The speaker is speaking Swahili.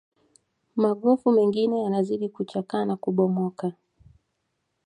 magofu mengine yanazidi kuchakaa na kubomoka